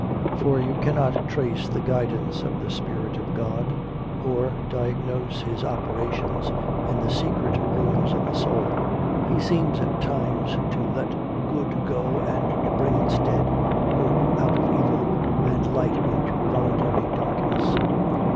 For you cannot trace the guidance of the Spirit of God or diagnose His operations in the secret rooms of the soul: He seems at times to let good go and to bring instead good out of evil, and light into voluntary darkness.